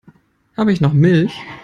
Habe ich noch Milch?